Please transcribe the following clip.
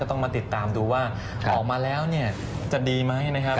ต้องมาติดตามดูว่าออกมาแล้วเนี่ยจะดีไหมนะครับ